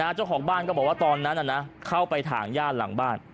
เจ้าของบ้านก็บอกว่าตอนนั้นเข้าไปถ่างย่านหลังบ้าน